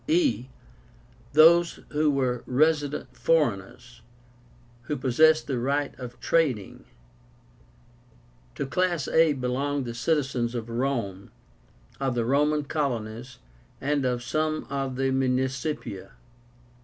e. Those who were RESIDENT FOREIGNERS, who possessed the right of trading. To class a belonged the citizens of Rome, of the Roman colonies, and of some of the Municipia.